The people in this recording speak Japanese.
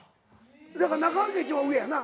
だから中川家一番上やな。